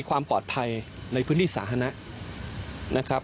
มีความปลอดภัยในพื้นที่สาธารณะ